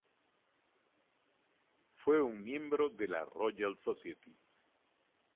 Fue un miembro de la Royal Society.